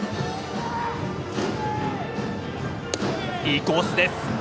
いいコースです！